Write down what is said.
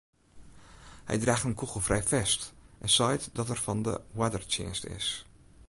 Hy draacht in kûgelfrij fest en seit dat er fan de oardertsjinst is.